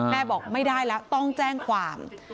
แม่บอกไม่ได้แล้วต้องแจ้งความ